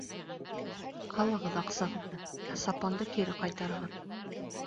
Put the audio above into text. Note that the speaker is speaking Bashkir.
— Алығыҙ аҡсағыҙҙы, ә сапанды кире ҡайтарығыҙ.